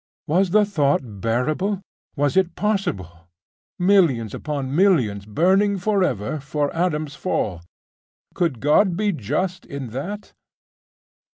Was the thought bearable! was it possible! Millions upon millions burning forever for Adam's fall .... Could God be just in that?....